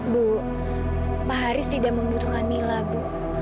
bu pak haris tidak membutuhkan nila bu